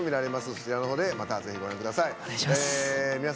そちらのほうでまたぜひ、ご覧ください。